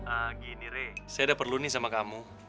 ah gini rey saya udah perlu nih sama kamu